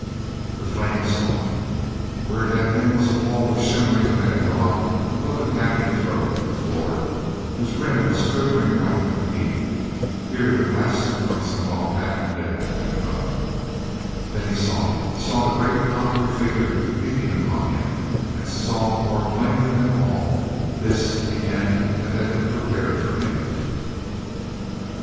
The flame was gone. Where it had been was a wall of shimmering red rock above a gaping throat in the floor, whose rim was quivering white with heat. Here the blast from some volcanic depth had come. Then he saw it, saw the great coppery figure leaping upon him—and saw more plainly than all this the end that had been prepared for him.